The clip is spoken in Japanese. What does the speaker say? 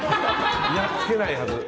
いや、つけないはず。